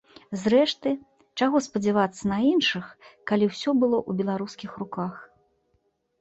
Зрэшты, чаго спадзявацца на іншых, калі ўсё было ў беларускіх руках.